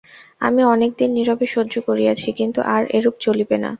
আমি অনেক দিন নীরবে সহ্য করিয়াছি, কিন্তু আর এরূপ চলিবে না।